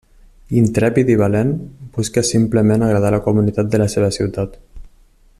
Intrèpid i valent, busca simplement agradar a la comunitat de la seva ciutat.